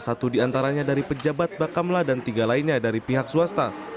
satu diantaranya dari pejabat bakamla dan tiga lainnya dari pihak swasta